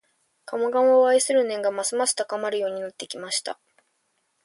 鴨川を愛する念がますます高まるようになってきました